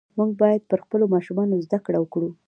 موږ باید پر خپلو ماشومانو زده کړه وکړو .